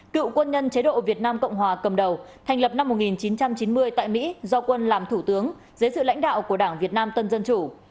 cựu quân nhân chế độ việt nam cộng hòa cầm đầu thành lập năm một nghìn chín trăm chín mươi tại mỹ do quân làm thủ tướng dưới sự lãnh đạo của đảng việt nam tân dân chủ